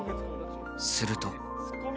［すると］